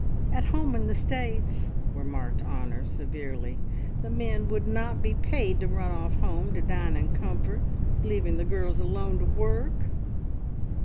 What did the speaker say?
"At home in the States," remarked Honor severely, "the men would not be paid to run off home to dine in comfort, leaving the girls alone to work."